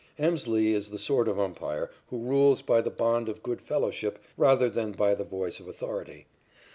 Emslie is the sort of umpire who rules by the bond of good fellowship rather than by the voice of authority.